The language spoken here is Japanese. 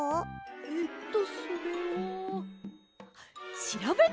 えっとそれはしらべてみます！